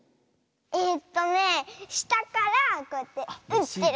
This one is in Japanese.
えっとねしたからこうやってうってる。